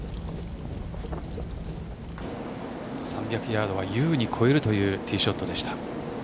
３００ヤードは優に超えるというティーショットでした。